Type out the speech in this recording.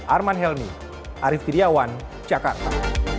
arman helmy arief tidjawan jakarta